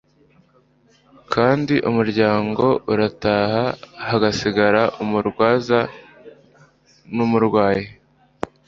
Kandi umuryango urataha hagasigara umurwaza w'umurwayi,